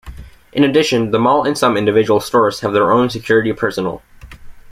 In addition, the mall and some individual stores have their own security personnel.